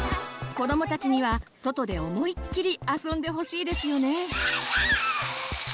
子どもたちには外で思いっきり遊んでほしいですよね。